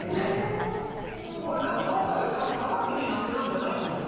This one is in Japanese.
これなんか、どっかで鏡になってるんじゃないんですよね？